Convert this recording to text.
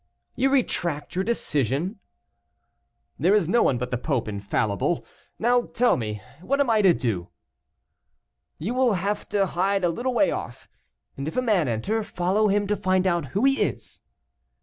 "You retract your decision?" "There is no one but the pope infallible; now tell me what I am to do." "You will have to hide a little way off, and if a man enter, follow him to find out who he is?"